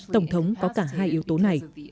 tổng thống có cả hai yếu tố này